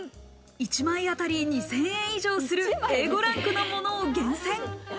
１枚あたり２０００円以上するＡ５ランクのものを厳選。